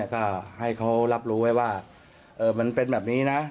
ก็ให้เขารับรู้ไว้ว่ามันเป็นแบบนี้นะ